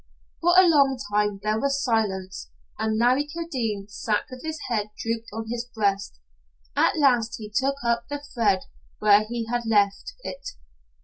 For a long time there was silence, and Larry Kildene sat with his head drooped on his breast. At last he took up the thread where he had left it.